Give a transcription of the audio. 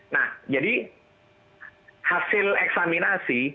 nah jadi hasil eksaminasi